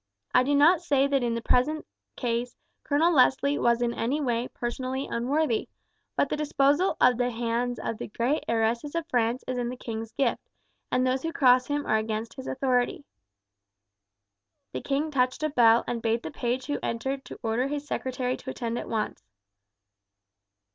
I do not say that in the present case Colonel Leslie was in any way personally unworthy; but the disposal of the hands of the great heiresses of France is in the king's gift, and those who cross him are against his authority." The king touched a bell and bade the page who entered to order his secretary to attend at once.